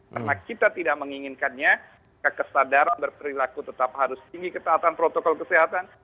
karena kita tidak menginginkannya kekesadaran berperilaku tetap harus tinggi kesehatan protokol kesehatan